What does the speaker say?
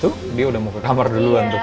dia udah mau ke kamar duluan tuh